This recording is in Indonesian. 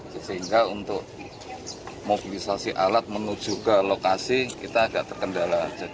sehingga untuk mobilisasi alat menuju ke lokasi kita agak terkendala